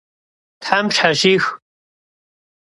Them pşheşix!